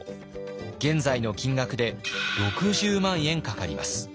現在の金額で６０万円かかります。